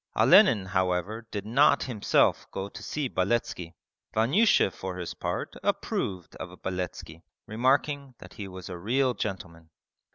Olenin however did not himself go to see Beletski. Vanyusha for his part approved of Beletski, remarking that he was a real gentleman.